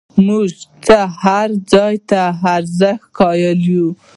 زموږ څخه هر یو ځان ته ارزښت قایل یو.